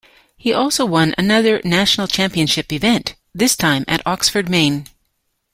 He also won another National Championship event, this time at Oxford Maine.